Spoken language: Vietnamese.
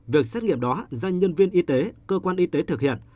việc xét nghiệm đó do nhân viên y tế cơ quan y tế thực hiện